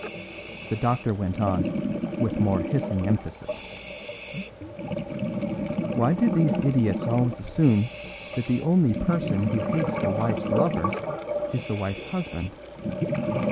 The doctor went on with more hissing emphasis: "Why do these idiots always assume that the only person who hates the wife's lover is the wife's husband?